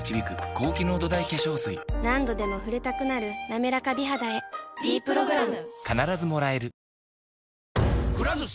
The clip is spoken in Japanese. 何度でも触れたくなる「なめらか美肌」へ「ｄプログラム」